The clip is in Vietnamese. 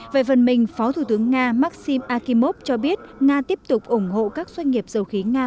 về phần mình phó thủ tướng nga maxim akimov cho biết nga tiếp tục ủng hộ các doanh nghiệp dầu khí nga